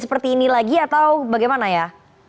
seperti ini lagi atau bagaimana ya